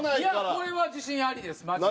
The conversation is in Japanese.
これは自信ありですマジで。